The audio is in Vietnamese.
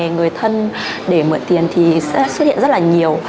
người thân để mượn tiền thì sẽ xuất hiện rất là nhiều